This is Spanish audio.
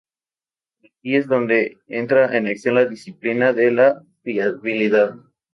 Y aquí es donde entra en acción la disciplina de la fiabilidad.